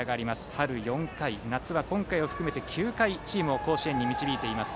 春４回、夏は今回を含めて９回チームを甲子園に導いています。